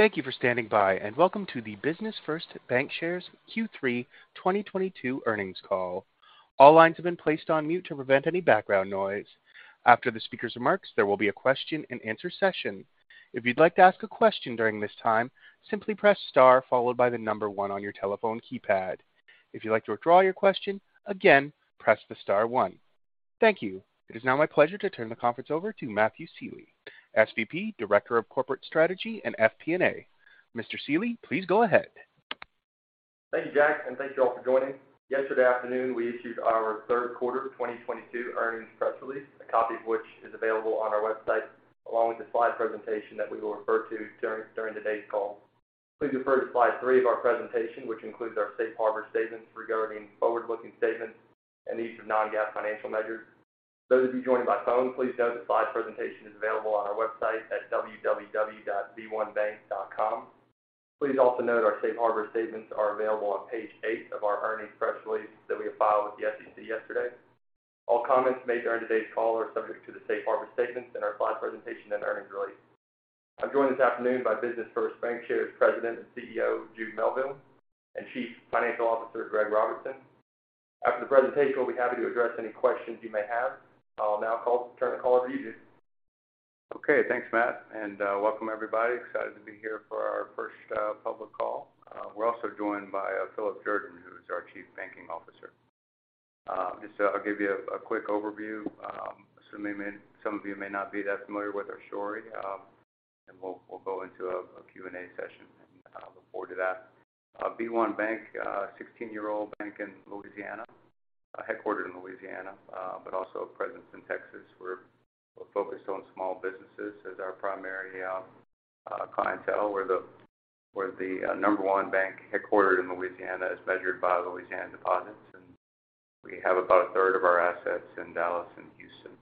Thank you for standing by, and welcome to the Business First Bancshares Q3 2022 earnings call. All lines have been placed on mute to prevent any background noise. After the speaker's remarks, there will be a question-and-answer session. If you'd like to ask a question during this time, simply press star followed by the number one on your telephone keypad. If you'd like to withdraw your question, again, press the star one. Thank you. It is now my pleasure to turn the conference over to Matthew Sealy, SVP, Director of Corporate Strategy and FP&A. Mr. Sealy, please go ahead. Thank you, Jack, and thank you all for joining. Yesterday afternoon, we issued our third quarter 2022 earnings press release, a copy of which is available on our website, along with the slide presentation that we will refer to during today's call. Please refer to slide three of our presentation, which includes our safe harbor statements regarding forward-looking statements and the use of Non-GAAP financial measures. Those of you joined by phone, please note the slide presentation is available on our website at www.b1BANK.com. Please also note our safe harbor statements are available on page eight of our earnings press release that we have filed with the SEC yesterday. All comments made during today's call are subject to the safe harbor statements in our slide presentation and earnings release. I'm joined this afternoon by Business First Bancshares President and CEO, Jude Melville, and Chief Financial Officer, Greg Robertson. After the presentation, we'll be happy to address any questions you may have. I'll now turn the call over to you, Jude. Okay, thanks, Matt, and welcome everybody. Excited to be here for our first public call. We're also joined by Philip Jordan, who is our Chief Banking Officer. Just I'll give you a quick overview, assuming some of you may not be that familiar with our story, and we'll go into a Q&A session, and I look forward to that. b1BANK, 16-year-old bank in Louisiana, headquartered in Louisiana, but also a presence in Texas. We're focused on small businesses as our primary clientele. We're the number one bank headquartered in Louisiana as measured by Louisiana deposits, and we have about a third of our assets in Dallas and Houston.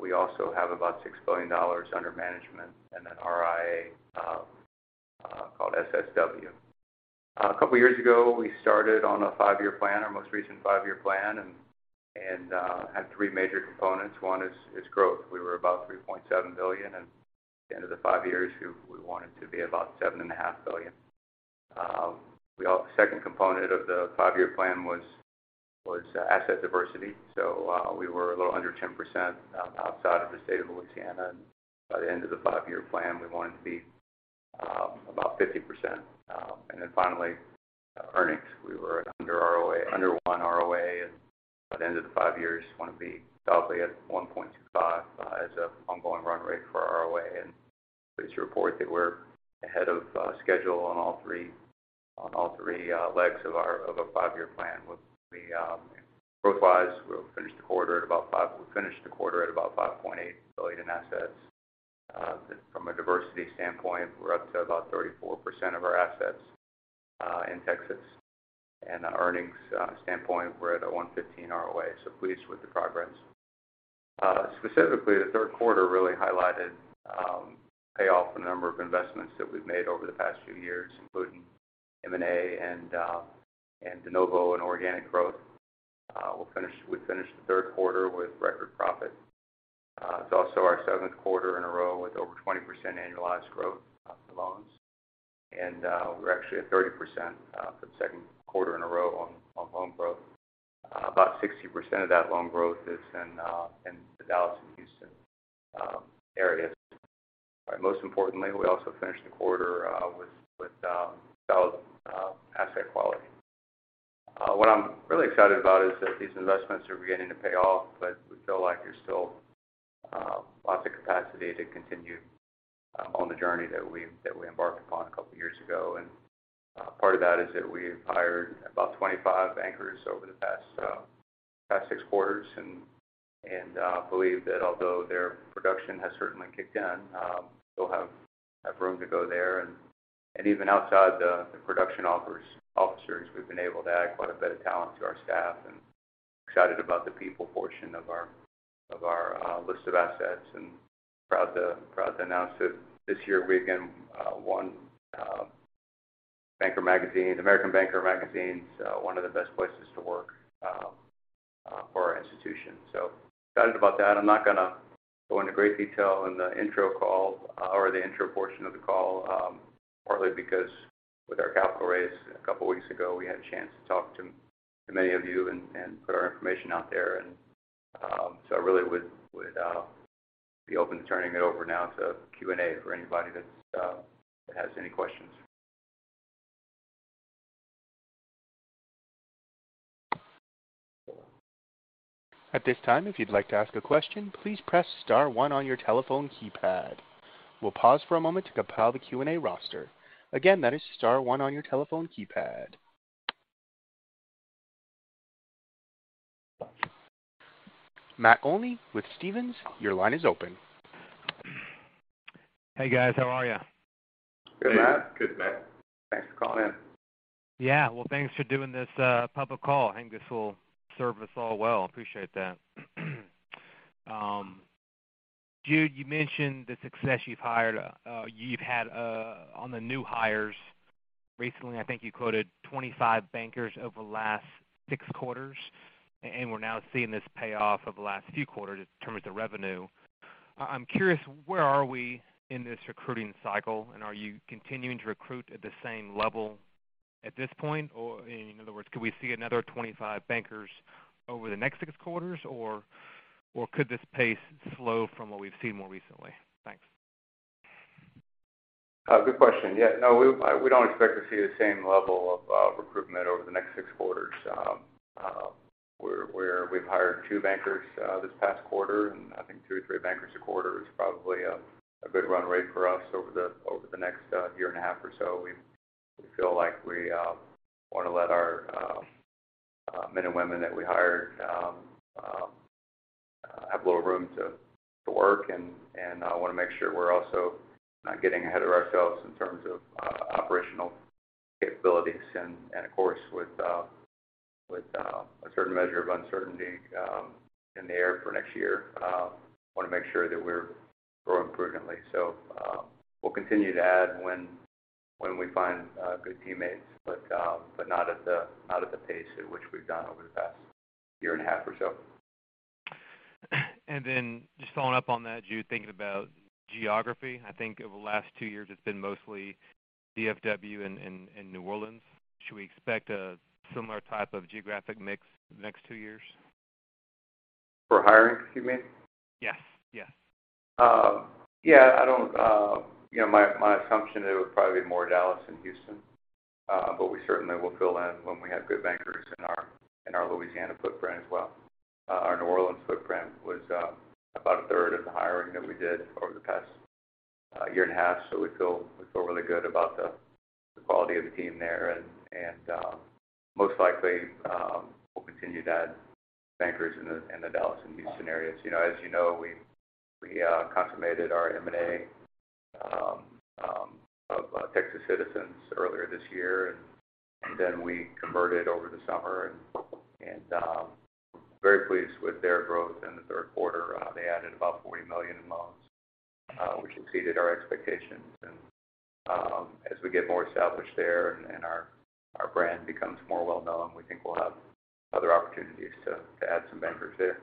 We also have about $6 billion under management in an RIA called SSW. A couple years ago, we started on a five-year plan, our most recent five-year plan and had three major components. One is growth. We were about $3.7 billion, and at the end of the five years, we wanted to be about $7.5 billion. Second component of the five-year plan was asset diversity. We were a little under 10% outside of the state of Louisiana. By the end of the five-year plan, we wanted to be about 50%. Finally, earnings. We were at under one ROA, and by the end of the five years, want to be solidly at 1.25 as a ongoing run rate for ROA. Pleased to report that we're ahead of schedule on all three legs of our five-year plan. Growth-wise, we finished the quarter at about $5.8 billion in assets. From a diversity standpoint, we're up to about 34% of our assets in Texas. From the earnings standpoint, we're at a 1.15 ROA, so pleased with the progress. Specifically, the third quarter really highlighted payoff of a number of investments that we've made over the past few years, including M&A and de novo and organic growth. We finished the third quarter with record profit. It's also our seventh quarter in a row with over 20% annualized growth in loans. We're actually at 30% for the second quarter in a row on loan growth. About 60% of that loan growth is in the Dallas and Houston areas. Most importantly, we also finished the quarter with solid asset quality. What I'm really excited about is that these investments are beginning to pay off, but we feel like there's still lots of capacity to continue on the journey that we embarked upon a couple years ago. Part of that is that we hired about 25 bankers over the past six quarters and believe that although their production has certainly kicked in, we'll have room to go there. Even outside the production officers, we've been able to add quite a bit of talent to our staff, and excited about the people portion of our list of assets, and proud to announce that this year we again won American Banker Magazine's one of the best places to work for our institution. Excited about that. I'm not gonna go into great detail in the intro call or the intro portion of the call, partly because with our capital raise a couple weeks ago, we had a chance to talk to many of you and put our information out there. I really would be open to turning it over now to Q&A for anybody that has any questions. At this time, if you'd like to ask a question, please press star one on your telephone keypad. We'll pause for a moment to compile the Q&A roster. Again, that is star one on your telephone keypad. Matt Olney with Stephens, your line is open. Hey, guys. How are you? Good, Matt. Good, Matt. Thanks for calling in. Yeah. Well, thanks for doing this public call. I think this will serve us all well. Appreciate that. Jude, you mentioned the success you've had on the new hires. Recently, I think you quoted 25 bankers over the last six quarters, and we're now seeing this payoff over the last few quarters in terms of revenue. I'm curious, where are we in this recruiting cycle, and are you continuing to recruit at the same level at this point? Or in other words, could we see another 25 bankers over the next six quarters, or could this pace slow from what we've seen more recently? Thanks. Good question. Yeah, no. We don't expect to see the same level of recruitment over the next six quarters. We've hired two bankers this past quarter, and I think two or three bankers a quarter is probably a good run rate for us over the next year and a half or so. We feel like we wanna let our men and women that we hired have a little room to work and wanna make sure we're also not getting ahead of ourselves in terms of operational capabilities. Of course, with a certain measure of uncertainty in the air for next year, wanna make sure that we're growing prudently. We'll continue to add when we find good teammates, but not at the pace at which we've done over the past year and a half or so. Just following up on that, Jude, thinking about geography. I think over the last two years it's been mostly DFW and New Orleans. Should we expect a similar type of geographic mix the next two years? For hiring, you mean? Yes. Yes. Yeah, I don't. You know, my assumption it would probably be more Dallas than Houston. We certainly will fill in when we have good bankers in our Louisiana footprint as well. Our New Orleans footprint was about a third of the hiring that we did over the past year and a half, so we feel really good about the quality of the team there. Most likely, we'll continue to add bankers in the Dallas and Houston areas. You know, as you know, we consummated our M&A of Texas Citizens earlier this year, and then we converted over the summer. Very pleased with their growth in the third quarter. They added about $40 million in loans, which exceeded our expectations. As we get more established there and our brand becomes more well-known, we think we'll have other opportunities to add some bankers there.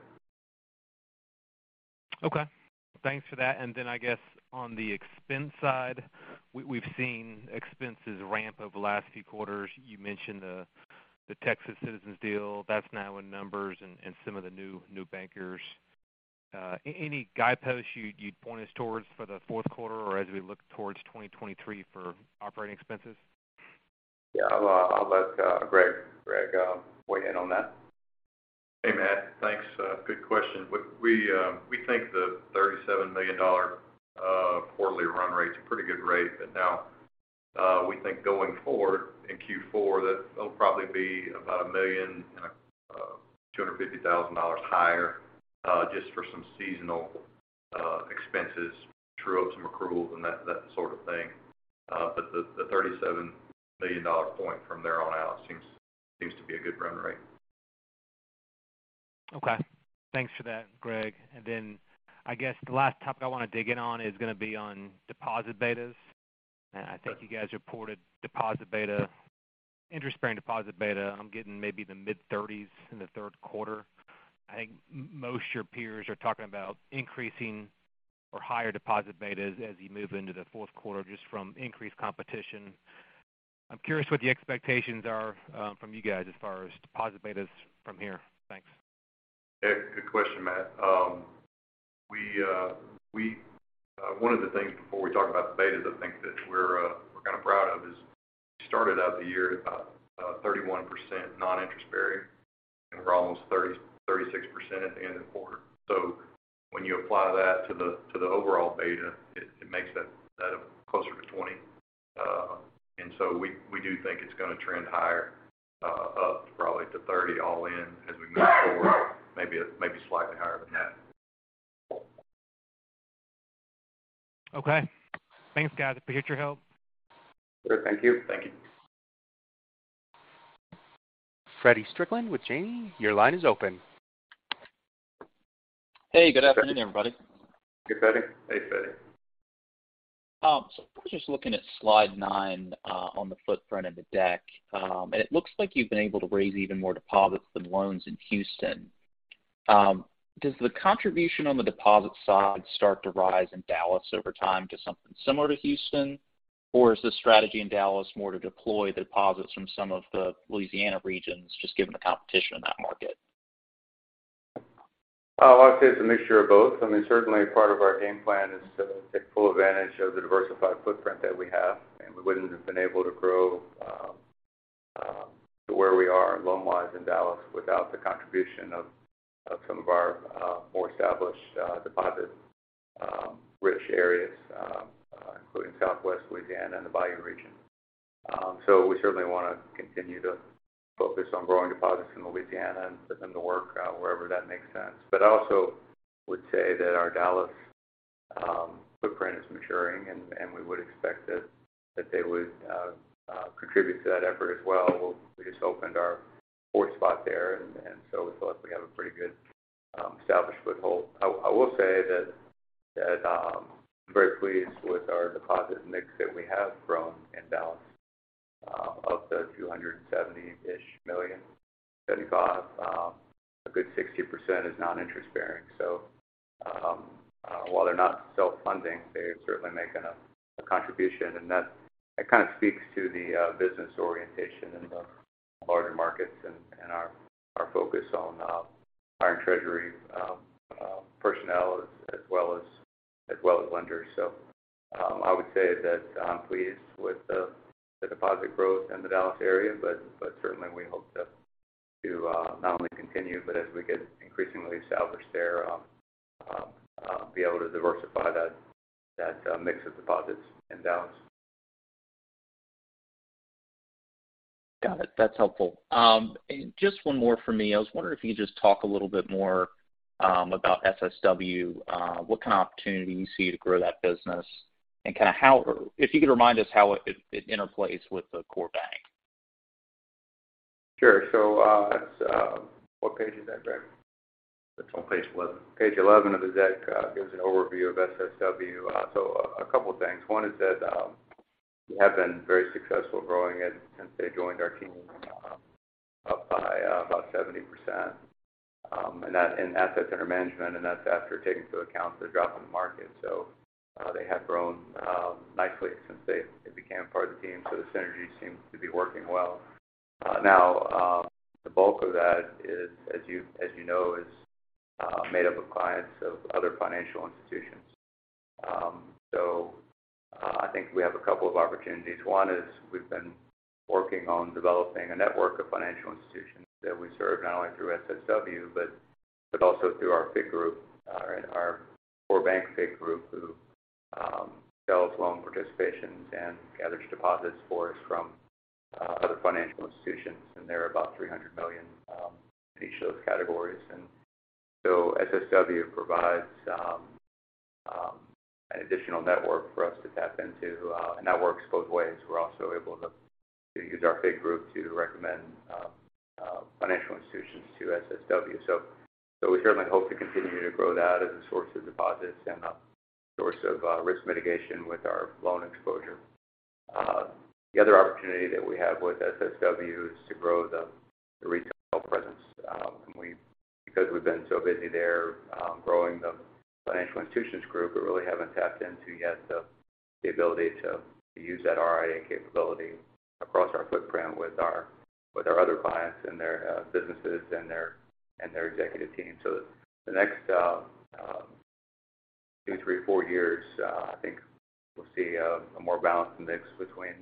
Okay. Thanks for that. I guess on the expense side, we've seen expenses ramp over the last few quarters. You mentioned the Texas Citizens deal, that's now in numbers, and some of the new bankers. Any guideposts you'd point us towards for the fourth quarter or as we look towards 2023 for operating expenses? Yeah. I'll let Greg weigh in on that. Hey, Matt. Thanks. Good question. We think the $37 million quarterly run rate's a pretty good rate. We think going forward in Q4 that it'll probably be about $1.25 million higher, just for some seasonal expenses, true up some accruals and that sort of thing. The $37 million point from there on out seems to be a good run rate. Okay. Thanks for that, Greg. I guess the last topic I wanna dig in on is gonna be on deposit betas. Sure. I think you guys reported deposit beta, interest-bearing deposit beta. I'm getting maybe the mid-30s% in the third quarter. I think most of your peers are talking about increasing or higher deposit betas as you move into the fourth quarter just from increased competition. I'm curious what the expectations are from you guys as far as deposit betas from here. Thanks. Yeah. Good question, Matt. One of the things before we talk about the betas, I think that we're kind of proud of is we started out the year at about 31% non-interest bearing, and we're almost 36% at the end of the quarter. When you apply that to the overall beta, it makes that closer to 20. We do think it's gonna trend higher, up to probably 30 all in as we move forward, maybe slightly higher than that. Okay. Thanks, guys. Appreciate your help. Sure. Thank you. Thank you. Fedie Strickland with Janney, your line is open. Hey, good afternoon, everybody. Hey, Fedie. Hey, Fedie. Just looking at slide nine, on the footprint of the deck. It looks like you've been able to raise even more deposits than loans in Houston. Does the contribution on the deposit side start to rise in Dallas over time to something similar to Houston? Or is the strategy in Dallas more to deploy deposits from some of the Louisiana regions, just given the competition in that market? I would say it's a mixture of both. I mean, certainly part of our game plan is to take full advantage of the diversified footprint that we have. We wouldn't have been able to grow to where we are loan-wise in Dallas without the contribution of some of our more established deposit rich areas including Southwest Louisiana and the Bayou region. We certainly wanna continue to focus on growing deposits in Louisiana and put them to work wherever that makes sense. I also would say that our Dallas footprint is maturing, and we would expect that they would contribute to that effort as well. We just opened our fourth spot there and so we thought we have a pretty good established foothold. I will say that I'm very pleased with our deposit mix that we have grown in Dallas. Of the $270-ish million that we've got, a good 60% is non-interest-bearing. While they're not self-funding, they're certainly making a contribution. That kind of speaks to the business orientation in the larger markets and our focus on our treasury personnel as well as lenders. I would say that I'm pleased with the deposit growth in the Dallas area, but certainly we hope to not only continue, but as we get increasingly established there, be able to diversify that mix of deposits in Dallas. Got it. That's helpful. Just one more for me. I was wondering if you could just talk a little bit more about SSW. What kind of opportunity you see to grow that business? Kind of how or if you could remind us how it interplays with the core bank. Sure. What page is that, Greg? It's on page 11. Page 11 of the deck gives an overview of SSW. A couple things. One is that we have been very successful growing it since they joined our team up by about 70% in assets under management, and that's after taking into account the drop in the market. They have grown nicely since they became part of the team, so the synergy seems to be working well. The bulk of that is, as you know, made up of clients of other financial institutions. I think we have a couple of opportunities. One is we've been working on developing a network of financial institutions that we serve not only through SSW, but also through our FIG group and our core bank FIG group, who sells loan participations and gathers deposits for us from other financial institutions. They're about $300 million in each of those categories. SSW provides an additional network for us to tap into. That works both ways. We're also able to use our FIG group to recommend financial institutions to SSW. We certainly hope to continue to grow that as a source of deposits and a source of risk mitigation with our loan exposure. The other opportunity that we have with SSW is to grow the retail presence. Because we've been so busy there growing the financial institutions group, we really haven't tapped into yet the ability to use that RIA capability across our footprint with our other clients and their businesses and their executive teams. The next two, three, four years, I think we'll see a more balanced mix between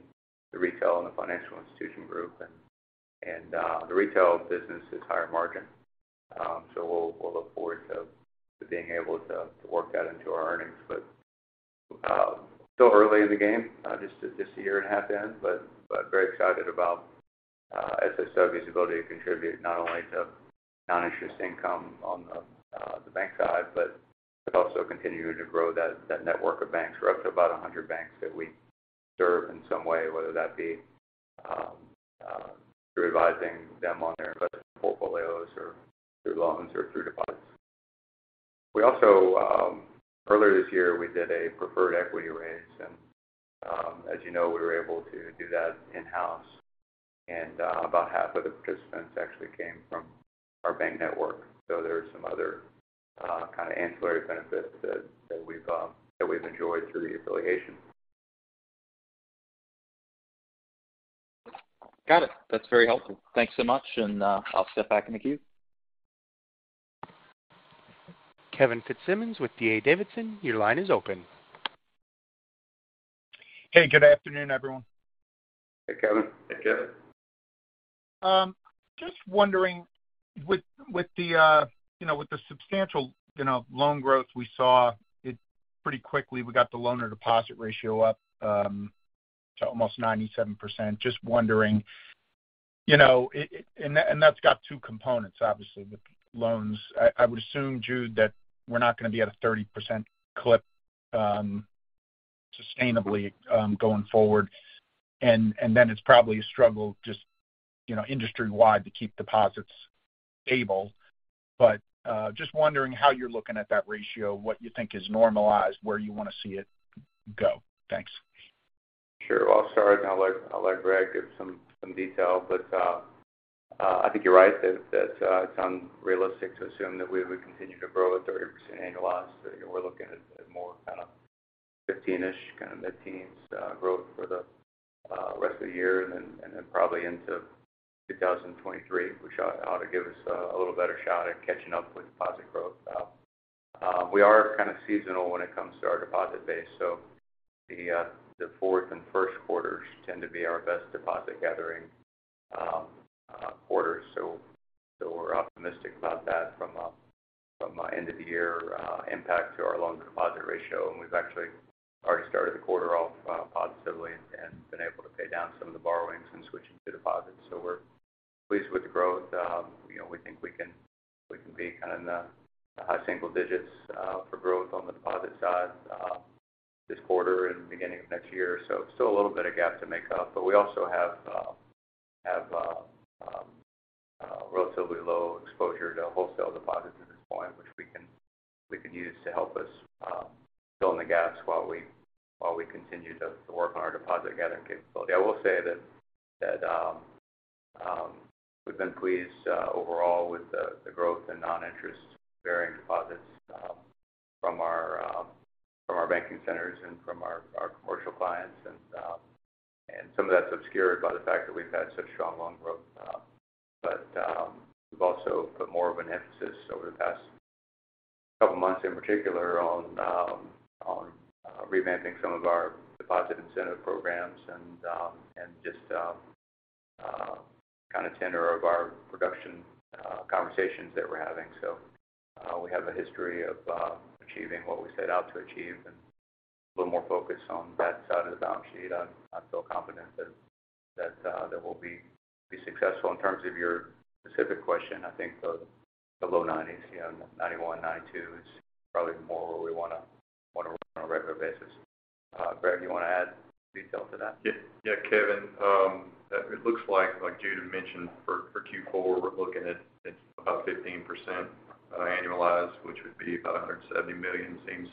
the retail and the financial institution group. The retail business is higher margin. We'll look forward to being able to work that into our earnings. Still early in the game, just a year and a half in, but very excited about SSW's ability to contribute not only to non-interest income on the bank side, but to also continuing to grow that network of banks. We're up to about 100 banks that we serve in some way, whether that be through advising them on their investment portfolios or through loans or through deposits. We also, earlier this year, did a preferred equity raise. As you know, we were able to do that in-house. About half of the participants actually came from our bank network. There are some other kind of ancillary benefits that we've enjoyed through the affiliation. Got it. That's very helpful. Thanks so much. I'll step back in the queue. Kevin Fitzsimmons with D.A. Davidson, your line is open. Hey, good afternoon, everyone. Hey, Kevin. Just wondering, with the substantial, you know, loan growth we saw pretty quickly, we got the loan-to-deposit ratio up to almost 97%. Just wondering, you know, and that's got two components, obviously, with loans. I would assume, Jude, that we're not gonna be at a 30% clip sustainably going forward. It's probably a struggle just, you know, industry-wide to keep deposits stable. Just wondering how you're looking at that ratio, what you think is normalized, where you wanna see it go. Thanks. Sure. I'll start, and I'll let Greg give some detail. I think you're right that it's unrealistic to assume that we would continue to grow at 30% annualized. You know, we're looking at more kind of 15-ish, kind of mid-teens growth for the rest of the year and then probably into 2023, which ought to give us a little better shot at catching up with deposit growth. We are kind of seasonal when it comes to our deposit base, so the fourth and first quarters tend to be our best deposit gathering quarters. We're optimistic about that from an end of year impact to our loan deposit ratio. We've actually already started the quarter off positively and been able to pay down some of the borrowings and switching to deposits. We're pleased with the growth. You know, we think we can be kind of in the high single digits for growth on the deposit side. This quarter and beginning of next year. Still a little bit of gap to make up, but we also have a relatively low exposure to wholesale deposits at this point, which we can use to help us fill in the gaps while we continue to work on our deposit gathering capability. I will say that we've been pleased overall with the growth in non-interest-bearing deposits from our banking centers and from our commercial clients. Some of that's obscured by the fact that we've had such strong loan growth. We've also put more of an emphasis over the past couple months in particular on revamping some of our deposit incentive programs and just kind of tenor of our production conversations that we're having. We have a history of achieving what we set out to achieve and a little more focus on that side of the balance sheet. I feel confident that we'll be successful. In terms of your specific question, I think the low 90s%, you know, 91%-92% is probably more where we wanna run on a regular basis. Greg, you wanna add detail to that? Yeah. Yeah, Kevin, it looks like Jude had mentioned for Q4, we're looking at about 15%, annualized, which would be about $170 million. Seems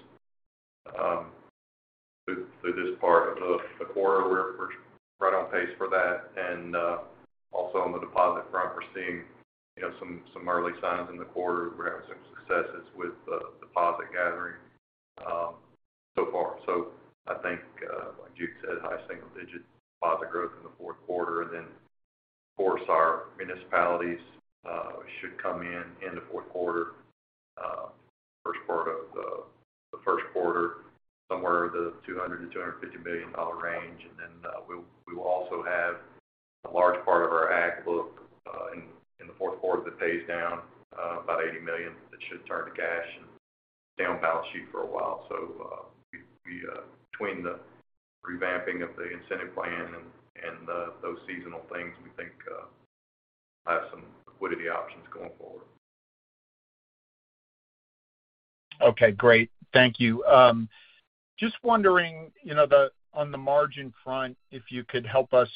through this part of the quarter, we're right on pace for that. Also on the deposit front, we're seeing you know some early signs in the quarter. We're having some successes with deposit gathering so far. I think like Jude said, high single-digit deposit growth in the fourth quarter. Then of course our municipalities should come in in the fourth quarter, first part of the first quarter, somewhere in the $200-$250 million range. We will also have a large part of our ag book in the fourth quarter that pays down about $80 million, that should turn to cash and stay on balance sheet for a while. We between the revamping of the incentive plan and those seasonal things, we think we'll have some liquidity options going forward. Okay, great. Thank you. Just wondering, you know, on the margin front, if you could help us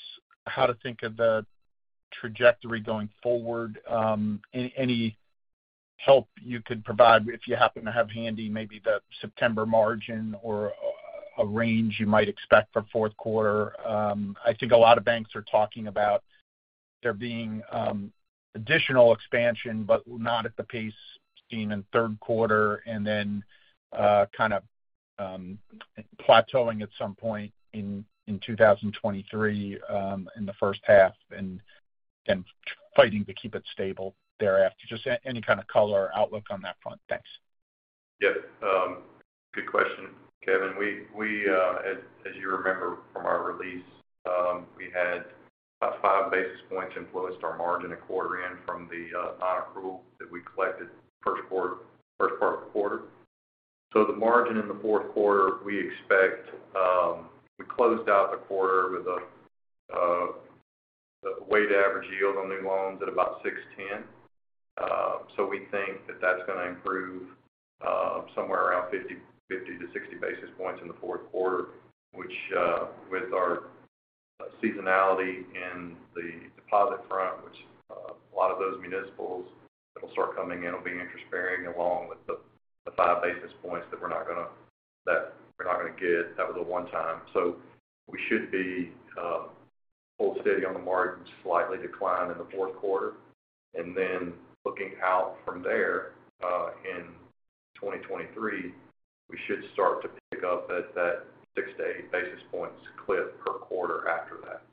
how to think of the trajectory going forward. Any help you could provide if you happen to have handy maybe the September margin or a range you might expect for fourth quarter. I think a lot of banks are talking about there being additional expansion, but not at the pace seen in third quarter and then kind of plateauing at some point in 2023, in the first half and then fighting to keep it stable thereafter. Just any kind of color or outlook on that front. Thanks. Yeah. Good question, Kevin. We, as you remember from our release, we had about 5 basis points influenced our margin at quarter-end from the nonaccrual that we collected first part of the quarter. The margin in the fourth quarter we expect we closed out the quarter with a weighted average yield on new loans at about 6.10. We think that that's gonna improve somewhere around 50-60 basis points in the fourth quarter, which with our seasonality in the deposit front, a lot of those municipals that'll start coming in will be interest-bearing along with the 5 basis points that we're not gonna get. That was a one-time. We should be hold steady on the margins, slightly decline in the fourth quarter. Looking out from there, in 2023, we should start to pick up at that 6-8 basis points clip per quarter after that.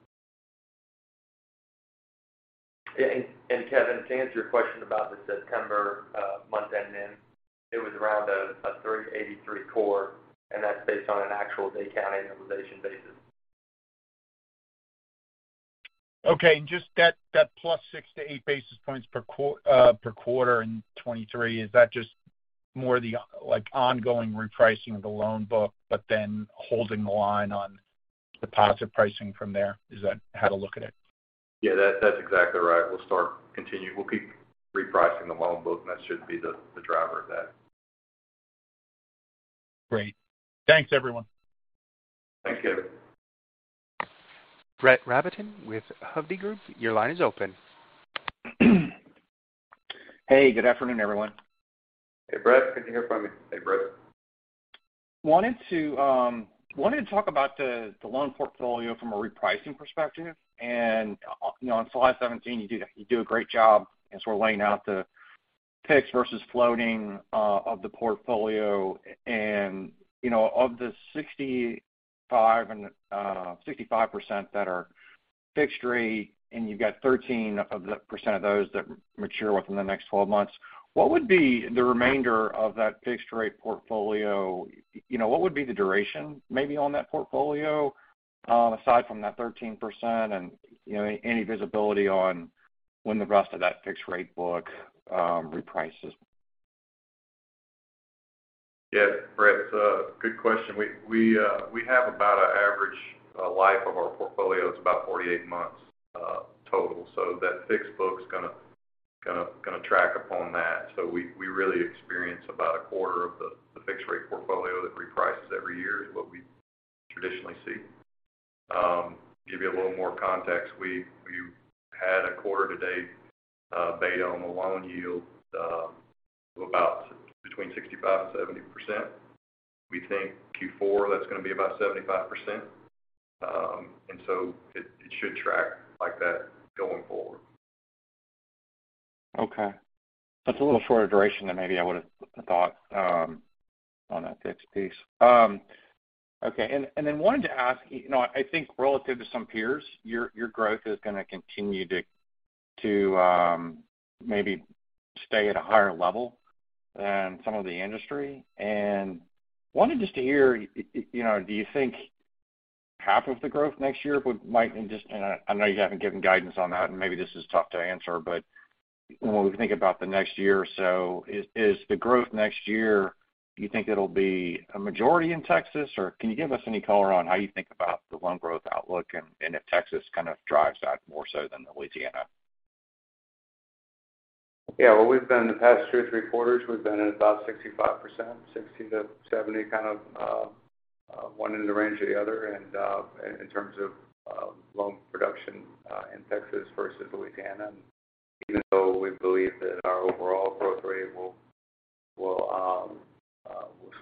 Kevin, to answer your question about the September month-end, it was around a 383 core, and that's based on an actual day count annualization basis. Okay. Just that plus 6-8 basis points per quarter in 2023, is that just more the, like, ongoing repricing of the loan book, but then holding the line on deposit pricing from there? Is that how to look at it? Yeah, that's exactly right. We'll keep repricing the loan book, and that should be the driver of that. Great. Thanks, everyone. Thanks, Kevin. Brett Rabatin with Hovde Group, your line is open. Hey, good afternoon, everyone. Hey, Brett. Can you hear me fine? Hey, Brett. Wanted to talk about the loan portfolio from a repricing perspective. You know, on slide 17, you do a great job in sort of laying out the fixed versus floating of the portfolio. You know, of the 65% that are fixed rate, and you've got 13% of those that mature within the next 12 months, what would be the remainder of that fixed rate portfolio? You know, what would be the duration maybe on that portfolio, aside from that 13%? You know, any visibility on when the rest of that fixed rate book reprices? Yeah, Brett, good question. We have about an average life of our portfolio is about 48 months. That fixed book's gonna track up on that. We really experience about a quarter of the fixed rate portfolio that reprices every year is what we traditionally see. Give you a little more context, we had a quarter to date beta on the loan yield of about between 65% and 70%. We think Q4, that's gonna be about 75%. It should track like that going forward. Okay. That's a little shorter duration than maybe I would've thought on that fixed piece. Okay. Wanted to ask, you know. I think relative to some peers, your growth is gonna continue to maybe stay at a higher level than some of the industry. Wanted just to hear, you know, do you think half of the growth next year might just. I know you haven't given guidance on that, and maybe this is tough to answer, but when we think about the next year or so, is the growth next year, do you think it'll be a majority in Texas? Or can you give us any color on how you think about the loan growth outlook and if Texas kind of drives that more so than Louisiana? Yeah. Well, we've been the past 2-3 quarters, we've been at about 65%, 60%-70%, kind of, one in the range or the other. In terms of loan production in Texas versus Louisiana. Even though we believe that our overall growth rate will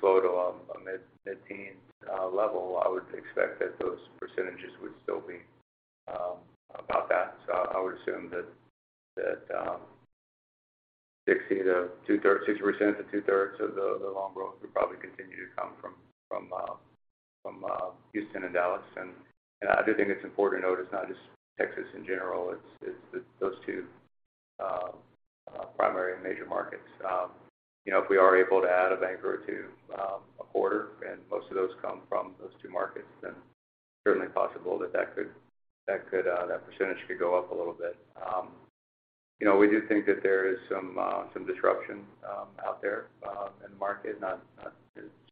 slow to a mid-teen level, I would expect that those percentages would still be about that. I would assume that 60% to two-thirds of the loan growth would probably continue to come from Houston and Dallas. I do think it's important to note it's not just Texas in general, it's those two primary major markets. You know, if we are able to add a bank or two a quarter, and most of those come from those two markets, then certainly possible that that percentage could go up a little bit. You know, we do think that there is some disruption out there in the market.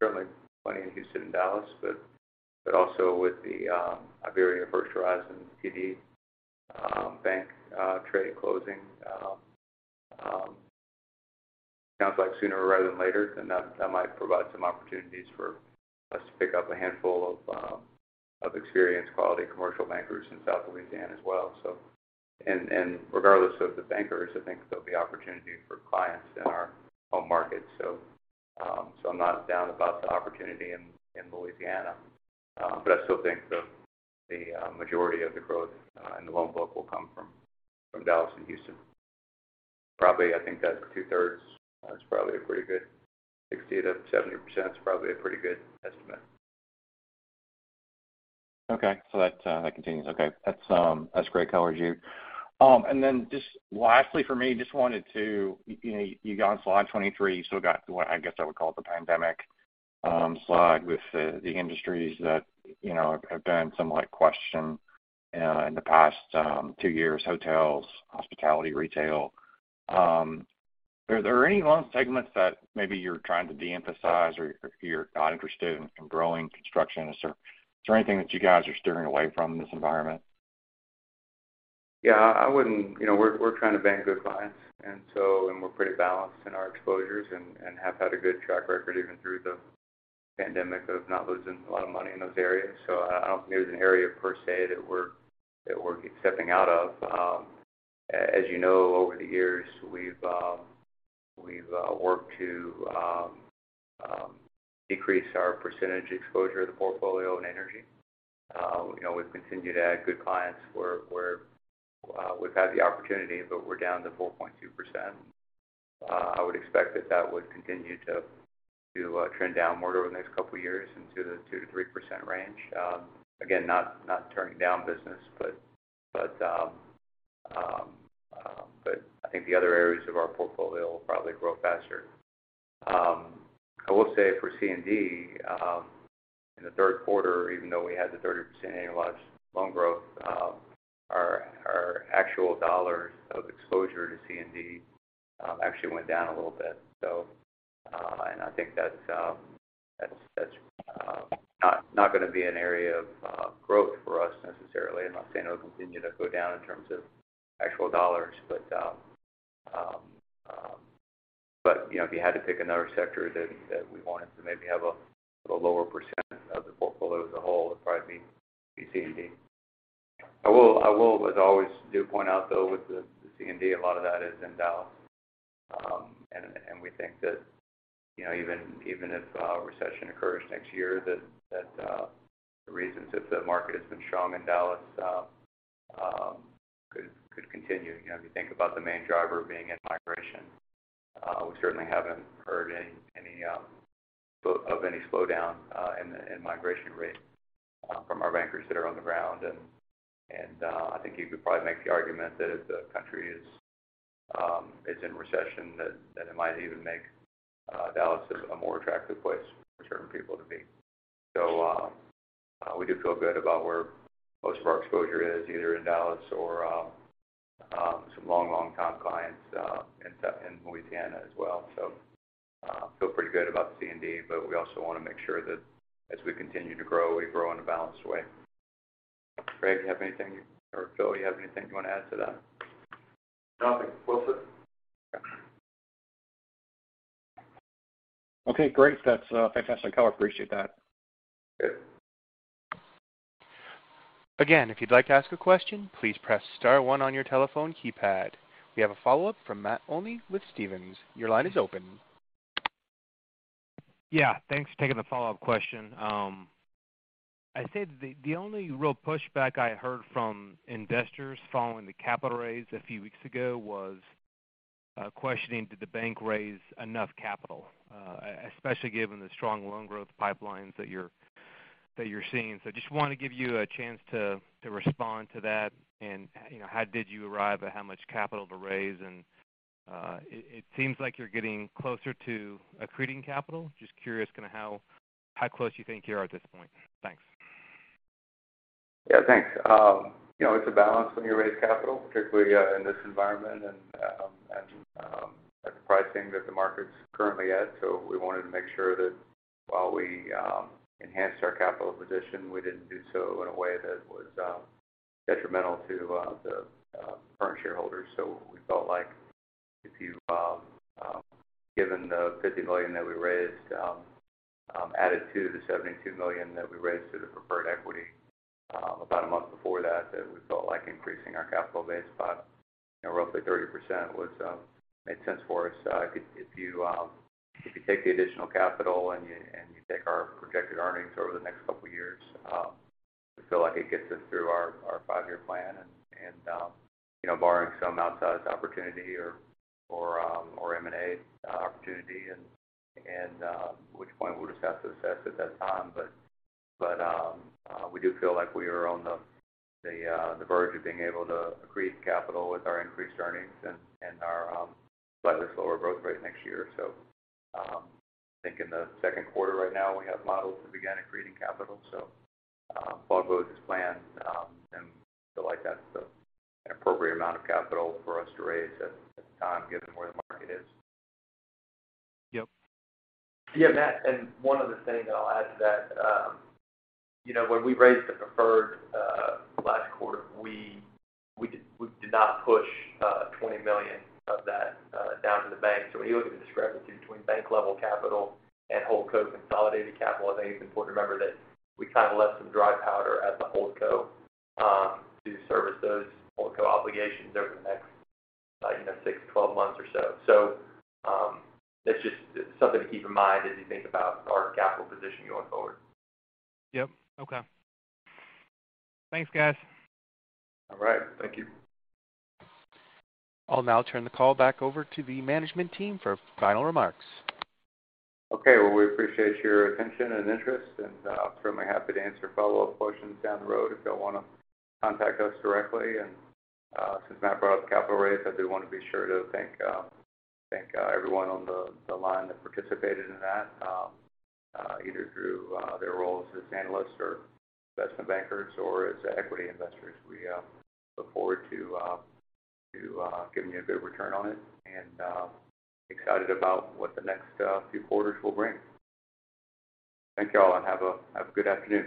Certainly plenty in Houston and Dallas, but also with the IBERIABANK, First Horizon, TD Bank trade closing, sounds like sooner rather than later, then that might provide some opportunities for us to pick up a handful of experienced quality commercial bankers in South Louisiana as well. Regardless of the bankers, I think there'll be opportunity for clients in our home market. I'm not down about the opportunity in Louisiana. I still think the majority of the growth in the loan book will come from Dallas and Houston. Probably, I think that two-thirds is probably a pretty good 60%-70% is probably a pretty good estimate. Okay. That continues. Okay. That's great color, Jude. Then just lastly for me, just wanted to, you know, you got on slide 23, so we got what I guess I would call the pandemic slide with the industries that, you know, have been somewhat questioned in the past two years, hotels, hospitality, retail. Are there any loan segments that maybe you're trying to de-emphasize or you're not interested in growing construction? Is there anything that you guys are steering away from in this environment? Yeah. I wouldn't. You know, we're trying to bank good clients and we're pretty balanced in our exposures and have had a good track record even through the pandemic of not losing a lot of money in those areas. I don't think there's an area per se that we're stepping out of. As you know, over the years, we've worked to decrease our percentage exposure of the portfolio in energy. You know, we've continued to add good clients where we've had the opportunity, but we're down to 4.2%. I would expect that would continue to trend down more over the next couple of years into the 2%-3% range. Again, not turning down business, but I think the other areas of our portfolio will probably grow faster. I will say for C&D, in the third quarter, even though we had the 30% annualized loan growth, our actual dollars of exposure to C&D actually went down a little bit. I think that's not gonna be an area of growth for us necessarily. I'm not saying it'll continue to go down in terms of actual dollars. You know, if you had to pick another sector that we wanted to maybe have a lower % of the portfolio as a whole, it'd probably be C&D. I will, as always, do point out, though, with the C&D, a lot of that is in Dallas. We think that, you know, even if a recession occurs next year, that the reasons that the market has been strong in Dallas could continue. You know, if you think about the main driver being in migration, we certainly haven't heard any of any slowdown in the migration rate from our bankers that are on the ground. I think you could probably make the argument that if the country is in recession, that it might even make Dallas a more attractive place for certain people to be. We do feel good about where most of our exposure is, either in Dallas or some long-time clients in Louisiana as well. Feel pretty good about C&D, but we also wanna make sure that as we continue to grow, we grow in a balanced way. Greg, you have anything, or Phil, you have anything you wanna add to that? Nothing. We're set. Okay. Okay, great. That's fantastic, y'all. I appreciate that. Okay. Again, if you'd like to ask a question, please press star one on your telephone keypad. We have a follow-up from Matt Olney with Stephens. Your line is open. Yeah, thanks for taking the follow-up question. I'd say the only real pushback I heard from investors following the capital raise a few weeks ago was questioning did the bank raise enough capital, especially given the strong loan growth pipelines that you're seeing. Just wanna give you a chance to respond to that and, you know, how did you arrive at how much capital to raise? It seems like you're getting closer to accreting capital. Just curious kinda how close you think you are at this point. Thanks. Yeah, thanks. You know, it's a balance when you raise capital, particularly in this environment and at the pricing that the market's currently at. We wanted to make sure that while we enhanced our capital position, we didn't do so in a way that was detrimental to the current shareholders. We felt like given the $50 million that we raised, added to the $72 million that we raised through the preferred equity about a month before that we felt like increasing our capital base about, you know, roughly 30% would make sense for us. If you take the additional capital and take our projected earnings over the next couple years, we feel like it gets us through our five-year plan. You know, barring some outsized opportunity or M&A opportunity, at which point we'll just have to assess at that time. We do feel like we are on the verge of being able to accrete capital with our increased earnings and our slightly slower growth rate next year. I think in the second quarter right now, we have models to begin accreting capital. All goes as planned, and feel like that's the appropriate amount of capital for us to raise at the time, given where the market is. Yep. Yeah, Matt, one other thing that I'll add to that. You know, when we raised the preferred last quarter, we did not push $20 million of that down to the bank. When you look at the discrepancy between bank level capital and holdCo consolidated capital, I think it's important to remember that we kind of left some dry powder at the holdCo to service those holdCo obligations over the next 6-12 months or so. That's just something to keep in mind as you think about our capital position going forward. Yep. Okay. Thanks, guys. All right. Thank you. I'll now turn the call back over to the management team for final remarks. Okay. Well, we appreciate your attention and interest, and certainly happy to answer follow-up questions down the road if y'all wanna contact us directly. Since Matt brought up the capital raise, I do wanna be sure to thank everyone on the line that participated in that, either through their role as analysts or investment bankers or as equity investors. We look forward to giving you a good return on it and excited about what the next few quarters will bring. Thank you all, and have a good afternoon.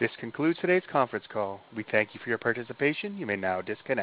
This concludes today's conference call. We thank you for your participation. You may now disconnect.